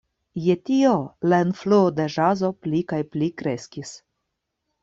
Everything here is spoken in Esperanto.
Je tio la influo de ĵazo pli kaj pli kreskis.